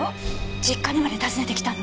実家にまで訪ねてきたの？